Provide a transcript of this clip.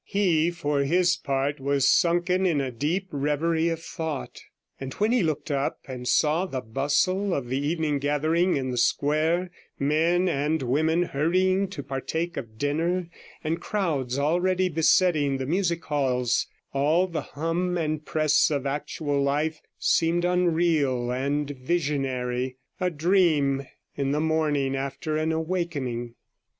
He, for his part, was sunken in a deep reverie of thought; and when he looked up and saw the bustle of the evening gathering in the square, men and women hurrying to partake of dinner, and crowds already besetting the music halls, all the hum and press of actual life seemed unreal and visionary, a dream in the morning after an awakening.